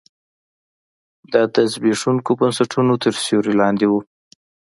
دا د زبېښونکو بنسټونو تر سیوري لاندې و.